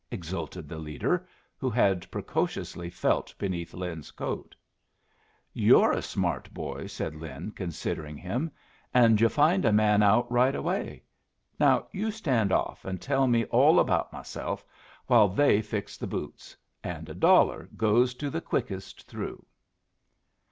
exulted the leader, who had precociously felt beneath Lin's coat. "You're a smart boy," said Lin, considering him, "and yu' find a man out right away. Now you stand off and tell me all about myself while they fix the boots and a dollar goes to the quickest through."